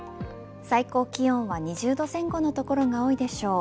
最高気温は２０度前後の所が多いでしょう。